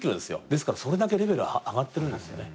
ですからそれだけレベル上がってるんですよね。